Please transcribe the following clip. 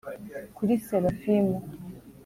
kuri serafimu